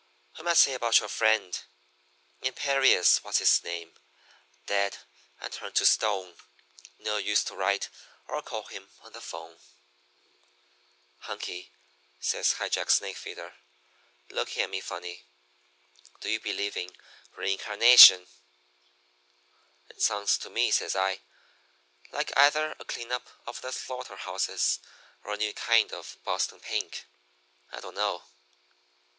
We might say about your friend: "'Imperious What's his name, dead and turned to stone No use to write or call him on the 'phone.' "'Hunky,' says High Jack Snakefeeder, looking at me funny, 'do you believe in reincarnation?' "'It sounds to me,' says I, 'like either a clean up of the slaughter houses or a new kind of Boston pink. I don't know.'